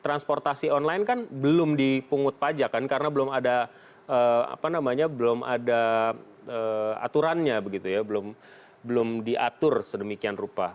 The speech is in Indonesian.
aturannya begitu ya belum diatur sedemikian rupa